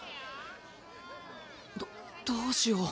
どどうしよう。